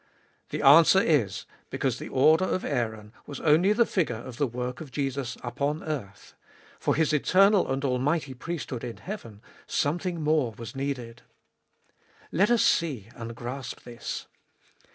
The answer is, Because the order of Aaron was only the figure of the work of Jesus upon earth ; for His eternal and almighty priesthood in heaven something more was needed. Let us see and grasp this.